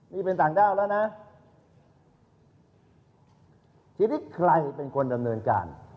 นี่เป็นต่างด้าวแล้วนะทีนี้ใครเป็นคนดำเนินการ